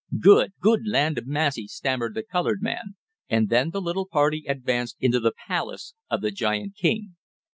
"Good good land ob massy!" stammered the colored man. And then the little party advanced into the "palace" of the giant king.